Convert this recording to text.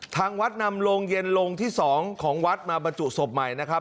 ทางวัดนำโรงเย็นโรงที่๒ของวัดมาบรรจุศพใหม่นะครับ